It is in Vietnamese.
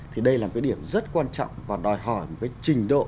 thì đây là một cái điểm rất quan trọng và đòi hỏi một cái trình độ